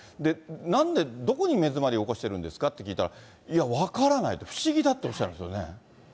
なんで、どこに目詰まりを起こしてるんですかって聞いたら、いや、分からないと、不思議だっておっしゃるんですよね。